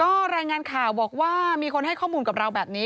ก็รายงานข่าวบอกว่ามีคนให้ข้อมูลกับเราแบบนี้